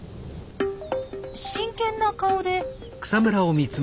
真剣な顔で。